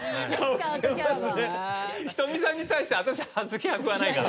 仁美さんに対して「私あずきは食わないから」